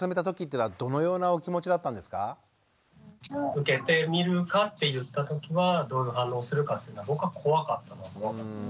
受けてみるかって言ったときはどういう反応するかっていうのは僕は怖かった。